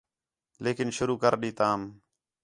لِکھݨ شروع کر ݙِیتام